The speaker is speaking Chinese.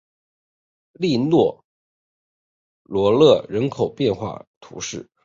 利涅罗勒人口变化图示